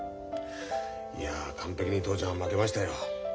いや完璧に父ちゃんは負けましたよ。